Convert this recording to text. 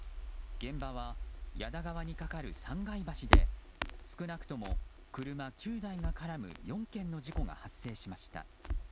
現場は矢田川に架かる三階橋で少なくとも車９台が絡む４件の事故が発生しました。